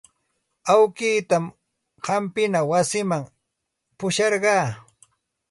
Awkiitan hampina wasiman pusharqaa.